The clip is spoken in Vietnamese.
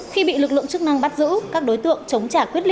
khi bị lực lượng chức năng bắt giữ các đối tượng chống trả